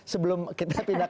sebelum kita pindah ke